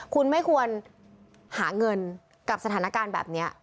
คุณไม่ควรหาเงินกับสถานการณ์แบบนี้